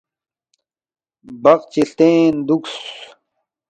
بقچی ہلتین دُوکس